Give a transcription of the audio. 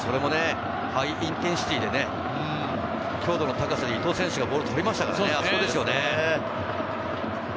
それもハイインテンシティで強度の高い伊東選手がボールを取りましたからね。